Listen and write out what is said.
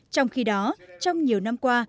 trong khi đó trong nhiều năm qua